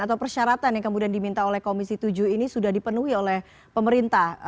atau persyaratan yang kemudian diminta oleh komisi tujuh ini sudah dipenuhi oleh pemerintah